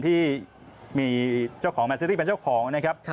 ที่มีเจ้าของแมนซิตี้เป็นเจ้าของ